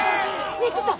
ねえちょっと！